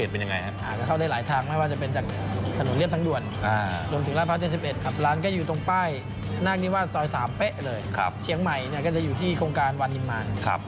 ไปทานกันเลยดีกว่าครับ